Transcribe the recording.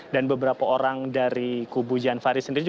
dan beberapa orang dari kubu jan farid sendiri